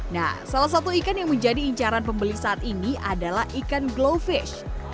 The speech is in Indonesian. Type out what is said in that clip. nah salah satu ikan yang menjadi incaran pembeli saat ini adalah ikan glowfish